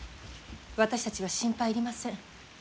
私たちは心配いりません。